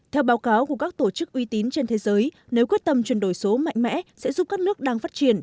theo báo cáo của các tổ chức uy tín trên thế giới nếu quyết tâm chuyển đổi số mạnh mẽ sẽ giúp các nước đang phát triển